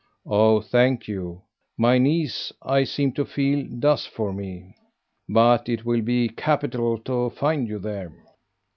"Oh thank you. My niece, I seem to feel, does for me. But it will be capital to find you there."